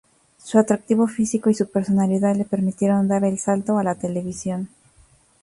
Su atractivo físico y su personalidad le permitieron dar el salto a la televisión.